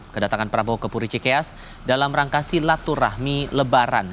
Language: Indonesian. kedatangan prabowo ke puri cikias dalam rangkasi latur rahmi lebaran